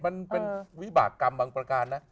มันเป็นวิบากรรมบางประการนะ